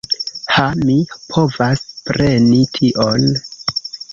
Ha, mi povas preni tion!